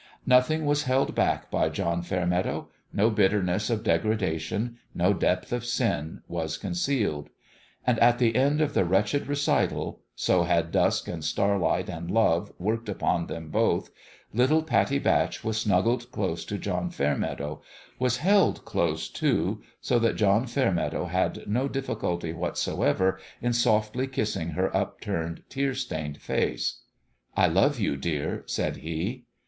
Nothing was held back by John Fair meadow : no bitterness of degradation no depth of sin was concealed. And at the end of the wretched recital so had dusk and starlight and love worked upon them both little Pattie Batch was snuggled close to John Fairmeadow was held close, too, so that John Fairmeadow had no difficulty whatsoever in softly kissing her up turned, tear stained face. "I love you, dear," said he.